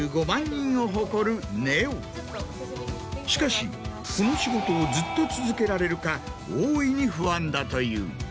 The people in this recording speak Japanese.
しかしこの仕事をずっと続けられるか大いに不安だという。